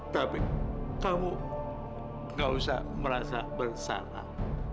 tapi kamu gak usah merasa bersalah